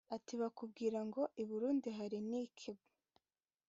Ati “Bakubwira ngo i Burundi hari Nickel